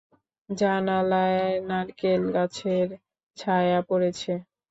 জানালায় নারকেল গাছের ছায়া পড়েছে।